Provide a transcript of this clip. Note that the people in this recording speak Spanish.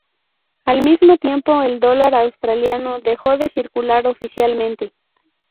Al mismo tiempo, el dólar australiano dejó de circular oficialmente.